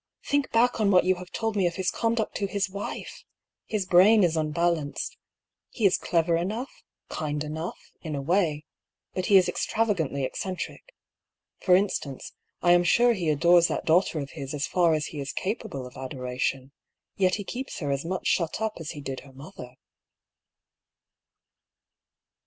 Think back on what you have told me of his conduct to his wife! His brain is unbalanced. He is clever enough, kind enough, in a way ; but he is extravagantly eccentric. For instance, I am sure he adores that daughter of his as far as he is capable of adoration ; yet he keeps her as much shut up as he did her moth er.